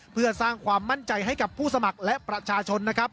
เพื่อสร้างความมั่นใจให้กับผู้สมัครและประชาชนนะครับ